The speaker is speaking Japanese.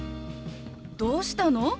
どうしたの？